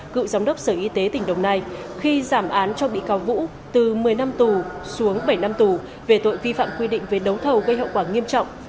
cựu giám đốc sở y tế tỉnh đồng nai khi giảm án cho bị cáo vũ từ một mươi năm tù xuống bảy năm tù về tội vi phạm quy định về đấu thầu gây hậu quả nghiêm trọng